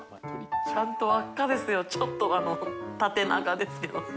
ちゃんと輪っかですよちょっと縦長ですけど。